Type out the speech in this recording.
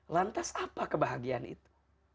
lantas apa kebahagiaan itu